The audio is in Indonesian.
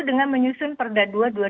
dengan menyusun perda dua dua ribu lima